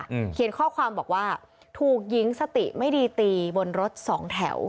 อืมเขียนข้อความบอกว่าถูกหญิงสติไม่ดีตีบนรถสองแถว